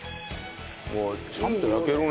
ちゃんと焼けるね。